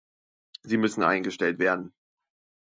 Sie müssen eingestellt werden.